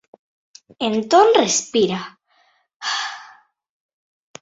Entón respira.